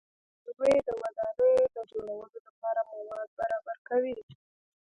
انجنیري سروې د ودانیو د جوړولو لپاره مواد برابر کوي